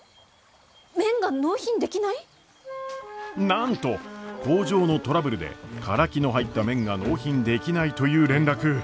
なんと工場のトラブルでカラキの入った麺が納品できないという連絡。